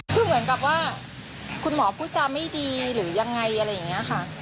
คือเหมือนกับว่าคุณหมอพูดจาไม่ดีหรือยังไงอะไรอย่างนี้ค่ะ